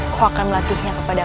kau akan melatihnya kepadamu